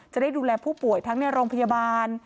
จะได้ดูแลผู้ป่วยทั้งในโรงพยาบาล